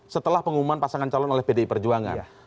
setelah pengumuman pasangan calon oleh pdi perjuangan